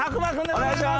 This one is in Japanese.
お願いします！